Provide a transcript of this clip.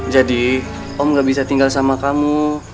jadi om gak bisa tinggal sama kamu